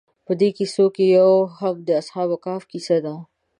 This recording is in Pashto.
په دې کیسو کې یو هم د اصحاب کهف کیسه ده.